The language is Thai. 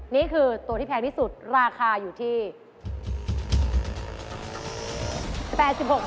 นี่คือตัวที่แพงที่สุดราคาอยู่ที่